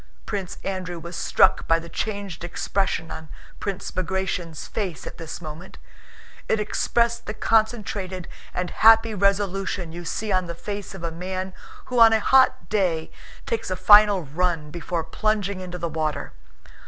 Prince Andrew was struck by the changed expression on Prince Bagratión's face at this moment. It expressed the concentrated and happy resolution you see on the face of a man who on a hot day takes a final run before plunging into the water.